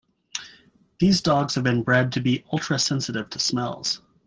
These dogs have been bred to be ultra sensitive to smells.